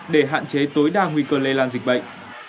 để hạn chế tối đa nguy cơ lây lan dịch bệnh